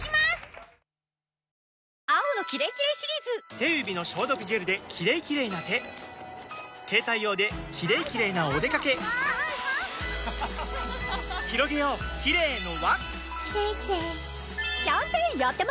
手指の消毒ジェルで「キレイキレイ」な手携帯用で「キレイキレイ」なおでかけひろげようキレイの輪キャンペーンやってます！